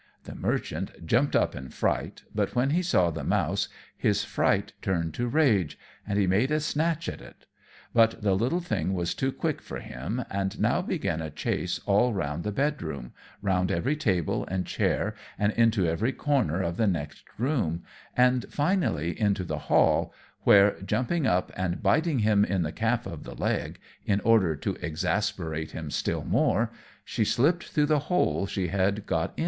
The merchant jumped up in a fright, but when he saw the mouse his fright turned to rage, and he made a snatch at it; but the little thing was too quick for him: and now began a chase all round the bed room, round every table and chair, and into every corner of the next room, and, finally, into the hall, where, jumping up and biting him in the calf of the leg, in order to exasperate him still more, she slipped through the hole she had got in at.